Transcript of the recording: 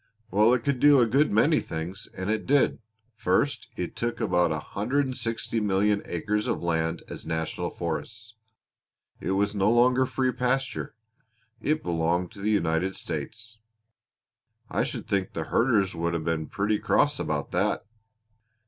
"Well, it could do a good many things, and it did. First, it took about 160,000,000 acres of land as National Forests. It was no longer free pasture. It belonged to the United States." "I should think the herders would have been pretty cross about that!"